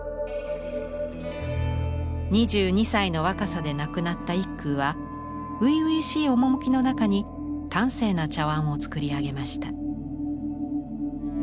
２２歳の若さで亡くなった一空は初々しい趣の中に端正な茶碗を作り上げました。